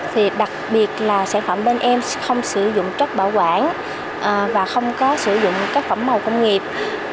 thì đặc biệt là sản phẩm bên em không sử dụng chất bảo quản và không có sử dụng các phẩm màu công nghiệp